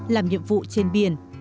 làm nhiệm vụ trên biển